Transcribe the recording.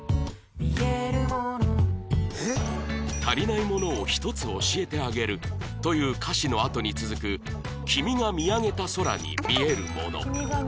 「足りない物を一つ教えてあげる」という歌詞のあとに続く「君が見上げた空に見えるもの」